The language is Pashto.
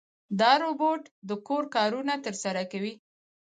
دا روبوټ د کور کارونه ترسره کوي.